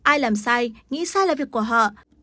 ai làm sai nghĩ sai là việc của họ